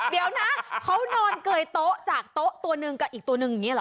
เดี๋ยวนะเขานอนเกยโต๊ะจากโต๊ะตัวหนึ่งกับอีกตัวหนึ่งอย่างนี้เหรอ